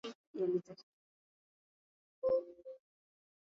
Macho yaliyozama ndani